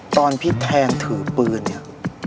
ตอนพี่แทนถือปืนเนี่ย